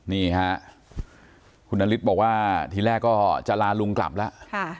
นี่ฮะคุณนฤทธิ์บอกว่าทีแรกก็จะลาลุงกลับแล้ว